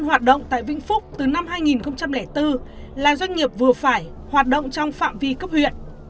hoạt động tại vĩnh phúc từ năm hai nghìn bốn là doanh nghiệp vừa phải hoạt động trong phạm vi cấp huyện